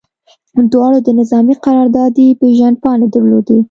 دواړو د نظامي قراردادي پیژندپاڼې درلودې